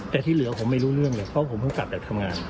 แต่ที่เหลือผมไม่รู้เรื่องเลยเพราะผมเพิ่งกลับจากทำงาน